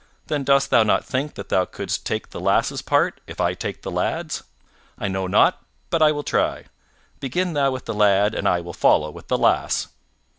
Then dost thou not think that thou couldst take the lass's part if I take the lad's? I know not but I will try; begin thou with the lad and I will follow with the lass."